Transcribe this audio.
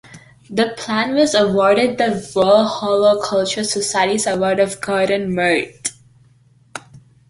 The plant was awardedthe Royal Horticultural Society's Award of Garden Merit.